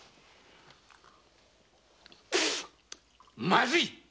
まずい！